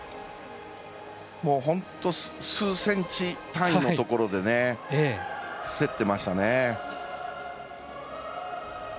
本当数センチ単位のところで競ってましたね。